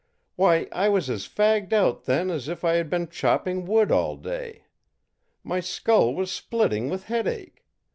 Why, I was as fagged out, then, as if I had been chopping wood all day. My skull was splitting with headache.